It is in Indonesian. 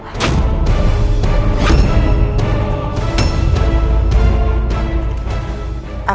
aku akan mencari dia